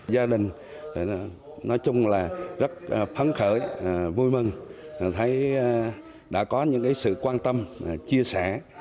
gia đình nói chung là rất phấn khởi vui mừng thấy đã có những sự quan tâm chia sẻ